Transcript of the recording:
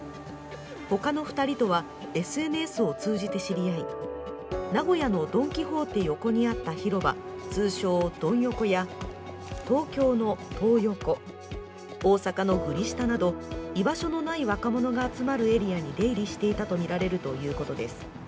他の２人とはＳＮＳを通じて知り合い、名古屋のドン・キホーテ横にあった広場、通称ドン横や東京のトー横、大阪のグリ下など居場所のない若者が集まるエリアに出入りしていたとみられるということです。